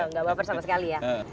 nggak baper sama sekali ya